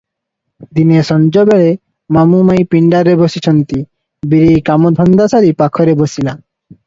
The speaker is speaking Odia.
ଦିନେ ସଞ୍ଜବେଳେ ମାମୁ ମାଇଁ ପିଣ୍ଡାରେ ବସିଛନ୍ତି, ବୀରେଇ କାମ ଧନ୍ଦା ସାରି ପାଖରେ ବସିଲା ।